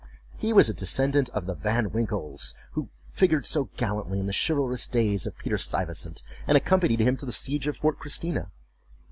He was a descendant of the Van Winkles who figured so gallantly in the chivalrous days of Peter Stuyvesant, and accompanied him to the siege of Fort Christina.